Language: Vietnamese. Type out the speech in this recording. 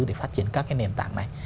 để phát triển các cái nền tảng này